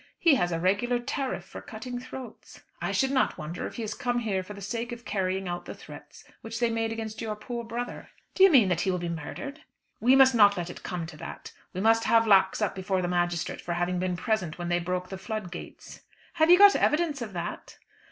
He has a regular tariff for cutting throats. I should not wonder if he has come here for the sake of carrying out the threats which they made against your poor brother." "Do you mean that he will be murdered?" "We must not let it come to that. We must have Lax up before the magistrate for having been present when they broke the flood gates." "Have you got evidence of that?"